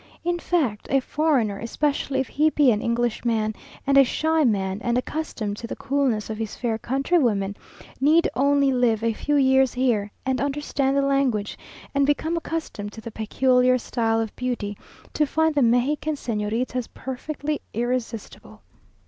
In fact, a foreigner, especially if he be an Englishman, and a shy man, and accustomed to the coolness of his fair countrywomen, need only live a few years here, and understand the language, and become accustomed to the peculiar style of beauty, to find the Mexican Señoritas perfectly irresistible.